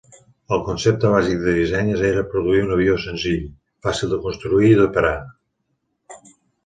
El concepte bàsic de disseny era produir un avió senzill, fàcil de construir i d'operar.